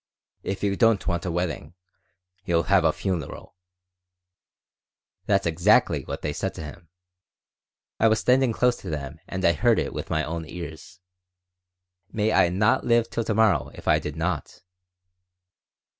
'If you don't want a wedding, you'll have a funeral.' That's exactly what they said to him. I was standing close to them and I heard it with my own ears. May I not live till to morrow if I did not."